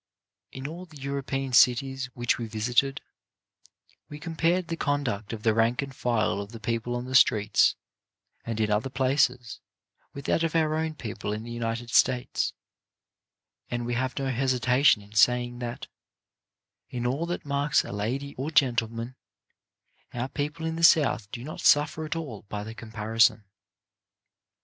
In all the European cities which we visited, we compared the conduct of the rank and file of the people on the streets and in other places with that of our own people in the United States, and we have no hesitation in saying that, in all that marks a lady or gentleman, our people in the South do not suffer at all by the comparison.